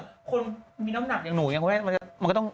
คนมีน้ำหนักอย่างหนูมันก็ต้อง